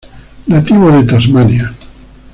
Nativo de Tasmania.